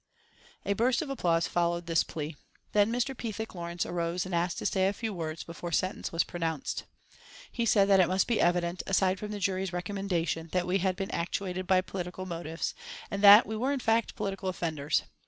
A burst of applause followed this plea. Then Mr. Pethick Lawrence arose and asked to say a few words before sentence was pronounced. He said that it must be evident, aside from the jury's recommendation, that we had been actuated by political motives, and that we were in fact political offenders.